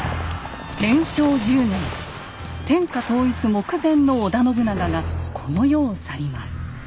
天下統一目前の織田信長がこの世を去ります。